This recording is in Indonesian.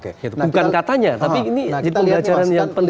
bukan katanya tapi ini pembelajaran yang penting